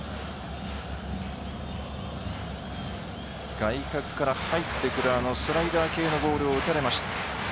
外角から入ってくるスライダー系のボールを打たれました。